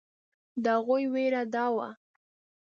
د هغوی وېره دا وه.